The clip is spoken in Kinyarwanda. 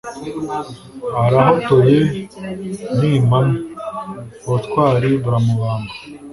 Arahotoye ni impame Ubutwari buramubanda,